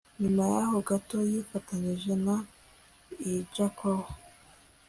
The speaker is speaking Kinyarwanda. nyuma yaho gato yifatanyije na i. jacob